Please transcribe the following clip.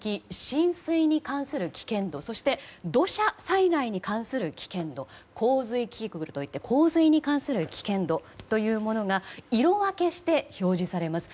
浸水に関する危険度そして、土砂災害に関する危険度洪水キキクルといって洪水に関する危険度というものが色分けして表示されます。